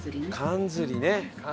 かんずり。